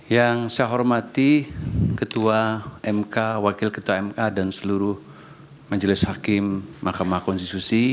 yang saya hormati ketua mk wakil ketua mk dan seluruh majelis hakim mahkamah konstitusi